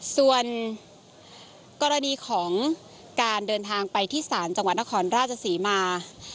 ส่วนกรณีของการเดินทางไปที่ศาลจังหวัดนครราชศรีมา